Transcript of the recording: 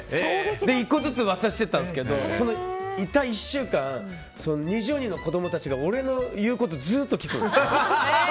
１個ずつ渡していったんですけどいた１週間、２０人の子供たちが俺の言うことずっと聞く。